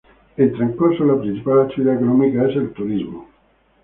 En Trancoso, la principal actividad económica es el turismo.